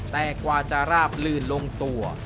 แต่กว่าจะราบลื่นลงตัว